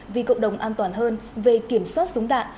vì cộng đồng an toàn hơn về kiểm soát súng đạn